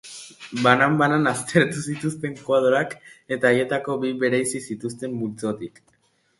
Banan-banan aztertu zituzten koadroak, eta haietako bi bereizi zituzten multzotik.